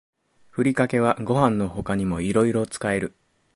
ふりかけはご飯の他にもいろいろ使える